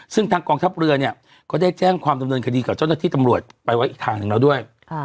ซึ่งทางกองทัพเรือเนี่ยก็ได้แจ้งความดำเนินคดีกับเจ้าหน้าที่ตำรวจไปไว้อีกทางหนึ่งแล้วด้วย